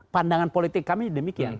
pandangan politik kami demikian